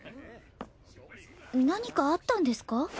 何かあったんですか？